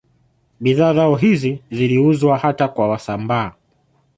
Bidhaa zao hizi ziliuzwa hata kwa Wasambaa